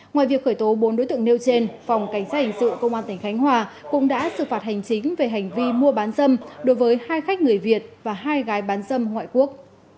ngoài việc khởi tố bốn đối tượng nêu trên phòng cảnh sát hình sự công an tỉnh khánh hòa cũng đã xử phạt hành chính về hành vi mua bán dâm đối với hai khách người việt và hai gái bán dâm ngoại quốc